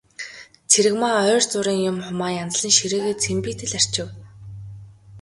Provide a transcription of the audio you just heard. Цэрэгмаа ойр зуурын юм, хумаа янзлан ширээгээ цэмбийтэл арчив.